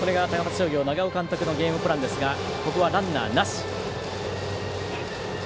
商業長尾監督のゲームプランですがここはランナーなし。